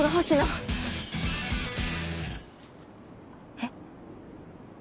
えっ？